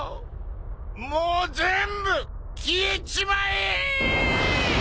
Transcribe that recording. もう全部消えちまえ！